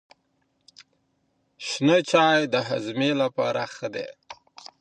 شنه چای د هاضمې لپاره ښه دی.